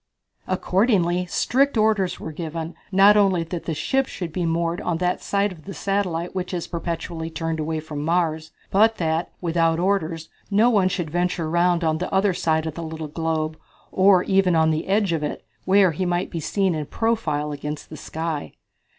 Accordingly strict orders were given, not only that the ships should be moored on that side of the satellite which is perpetually turned away from Mars, but that, without orders, no one should venture around on the other side of the little globe, or even on the edge of it, where he might be seen in profile against the sky.